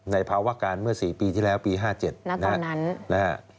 ภาวะการเมื่อ๔ปีที่แล้วปี๕๗ณตอนนั้นนะฮะ